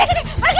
pergi dari sini